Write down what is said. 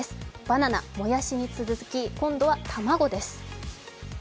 バナナ、もやしに続き今度は卵です。